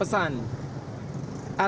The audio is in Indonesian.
pertama pengiriman pesan